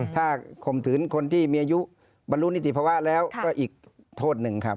ถ้าข่มขืนคนที่มีอายุบรรลุนิติภาวะแล้วก็อีกโทษหนึ่งครับ